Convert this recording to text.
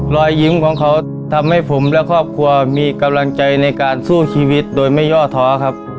รอยยิ้มของเขาทำให้ผมและครอบครัวมีกำลังใจในการสู้ชีวิตโดยไม่ย่อท้อครับ